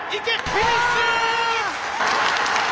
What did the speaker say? フィニッシュ！